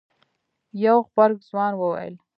يو غبرګ ځوان وويل.